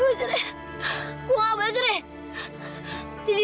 gue gak boleh cerai